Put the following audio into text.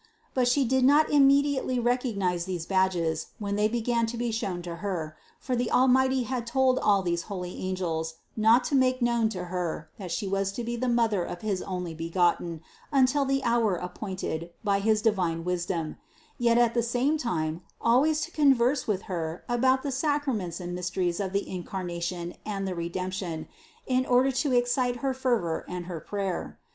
But She did not immediately recognize these badges when they began to be shown to Her, for the Almighty had told all these holy angels not to make known to Her that She was to be the Mother of his Onlybegotten until the hour appointed by his divine wis dom ; yet at the same time always to converse with Her about the sacraments and mysteries of the Incarnation and the Redemption, in order to excite her fervor and her prayers.